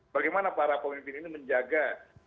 bagaimana para pemimpin ini menjaga